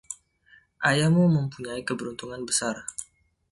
Ayahmu mempunyai keberuntungan besar.